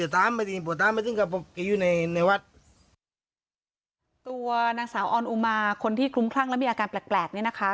ตัวนางสาวออนอุมาคนที่คลุ้มคลั่งแล้วมีอาการแปลกเนี่ยนะคะ